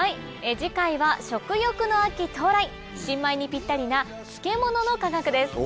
次回は食欲の秋到来新米にぴったりな漬物の科学です。